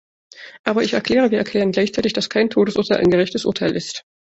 Aber ich erkläre, wir erklären gleichzeitig, dass kein Todesurteil ein gerechtes Urteil ist.